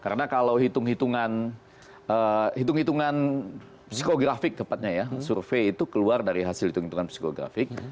karena kalau hitung hitungan psikografik tepatnya ya survei itu keluar dari hasil hitung hitungan psikografik